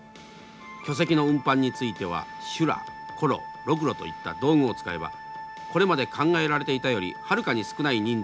巨石の運搬については修羅転木ロクロといった道具を使えばこれまで考えられていたよりはるかに少ない人数で可能なこと。